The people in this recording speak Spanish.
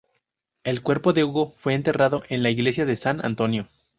El cuerpo de Hugo fue enterrado en la iglesia de San Antonio.